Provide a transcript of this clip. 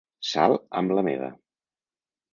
Sal amb la meva.